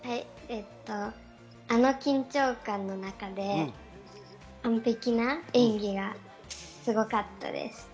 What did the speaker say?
あの緊張感の中で完璧な演技がすごかったです。